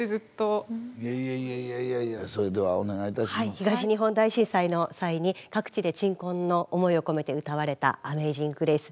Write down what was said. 東日本大震災の際に各地で鎮魂の思いを込めて歌われた「アメイジング・グレイス」。